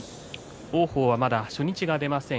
王鵬はまだ初日が出ません。